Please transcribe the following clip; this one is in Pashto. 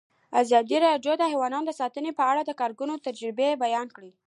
ازادي راډیو د حیوان ساتنه په اړه د کارګرانو تجربې بیان کړي.